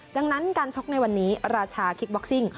ดังนั้นการชกในวันนี้ราชาคิกบ็อกซิ่ง